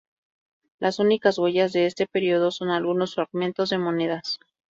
Las únicas huellas de este período son algunos fragmentos de monedas.